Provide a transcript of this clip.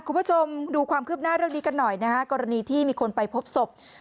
คุณผู้ชมดูความคืบหน้าเรื่องนี้กันหน่อยนะฮะกรณีที่มีคนไปพบศพ